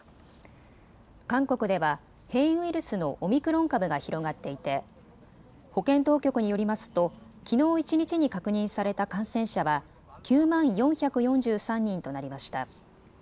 韓国では変異ウイルスのオミクロン株が広がっていて保健当局によりますときのう一日に確認された感染者は９万４４３人となりました。